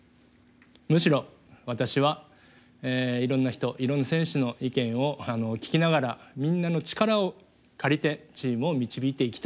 むしろ私はいろんな人いろんな選手の意見を聞きながらみんなの力を借りてチームを導いていきたい。